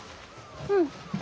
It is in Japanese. うん。